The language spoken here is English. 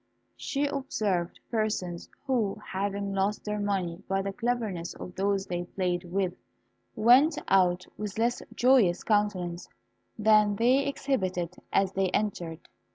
She observed persons who, having lost their money by the cleverness of those they played with, went out with less joyous countenances than they exhibited as they entered.